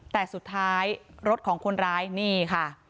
แต่สุดท้ายรถของคนร้ายนี่ค่ะ